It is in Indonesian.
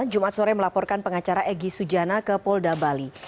jumat sore melaporkan pengacara egy sujana ke polda bali